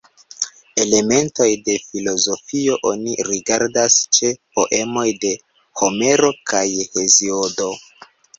Elementoj de filozofio oni rigardas ĉe poemoj de Homero kaj Heziodo.